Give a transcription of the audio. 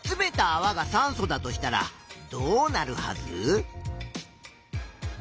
わが酸素だとしたらどうなるはず？